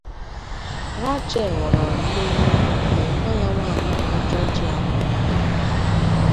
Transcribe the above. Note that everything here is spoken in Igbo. Rachael ghọrọ nne nne mgbe nwa ya nwaanyị bu Georgia mụrụ nwa.